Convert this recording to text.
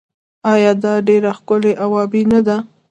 آیا دا ډیره ښکلې او ابي نه ده؟